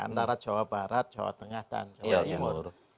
antara jawa barat jawa tengah dan jawa timur